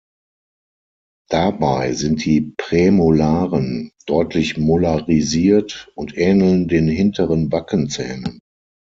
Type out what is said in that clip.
Dabei sind die Prämolaren deutlich molarisiert und ähneln den hinteren Backenzähnen.